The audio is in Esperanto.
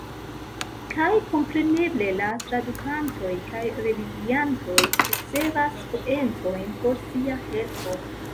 Kaj, kompreneble, la tradukantoj kaj reviziantoj ricevas poentojn por sia helpo.